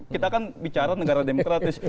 kita kan bicara negara demokratis